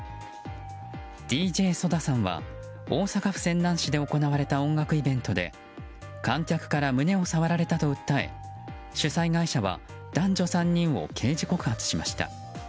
ＤＪＳＯＤＡさんは大阪府泉南市で行われた音楽イベントで観客から胸を触られたと訴え主催会社は男女３人を刑事告発しました。